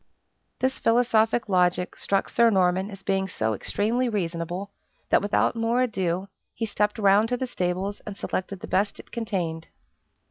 This philosophic logic struck Sir Norman as being so extremely reasonable, that without more ado he stepped round to the stables and selected the best it contained.